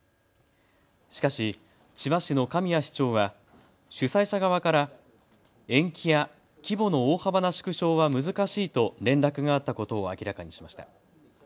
しかし千葉市の神谷市長は主催者側から延期や規模の大幅な縮小は難しいと連絡があったことを明らかにしました。